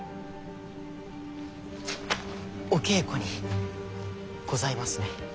お稽古にございますね？